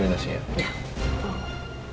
selamat menikmati muatmu lah